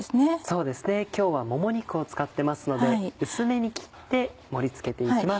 そうですね今日はもも肉を使ってますので薄めに切って盛り付けていきます。